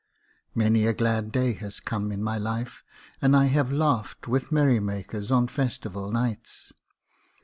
Many a glad day has come in my life, and I have laughed with merrymakers on festival nights.